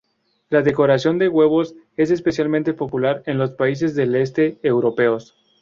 La decoración de huevos es especialmente popular en los países del este europeos.